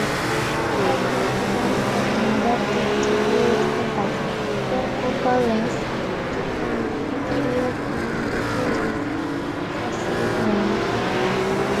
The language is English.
Some of these designs have been adapted to create compact, long-focal-length catadioptric cassegrains.